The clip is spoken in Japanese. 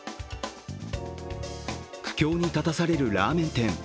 苦境に立たされるラーメン店。